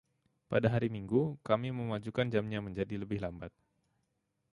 Pada hari Minggu, kami memajukan jamnya menjadi lebih lambat.